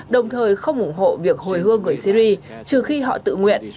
đồng thời không ủng hộ việc hồi hương người syri trừ khi họ tự nguyện